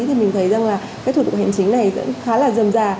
nhưng mình thấy rằng là cái thủ tục hành chính này vẫn khá là dầm dà